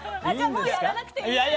もうやらなくていいですか？